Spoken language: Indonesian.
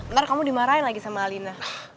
ntar kamu dimarahin lagi sama alina